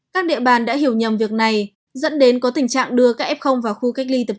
các địa bàn đã hiểu nhầm việc này dẫn đến có tình trạng đưa các f vào khu cách ly tập